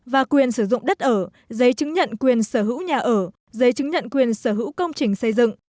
và quyền sử dụng đất ở giấy chứng nhận quyền sở hữu nhà ở giấy chứng nhận quyền sở hữu công trình xây dựng